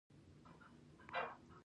ماشوم اوس خاندي.